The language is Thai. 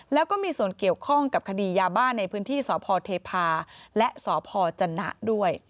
แล้วก็มีส่วนเกี่ยวข้องกับคดียาบ้านในพื้นที่สพเทพาและสพจนะด้วย